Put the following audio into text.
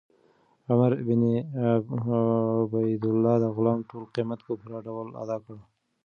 عمر بن عبیدالله د غلام ټول قیمت په پوره ډول ادا کړ.